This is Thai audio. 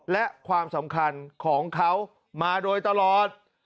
และความสำคัญของเขามาโดยตลอด